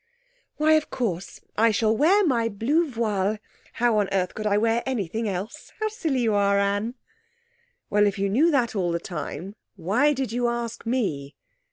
'Why, of course, I shall wear my blue voile. How on earth could I wear anything else? How silly you are, Anne!' 'Well, if you knew that all the time, why did you ask me?'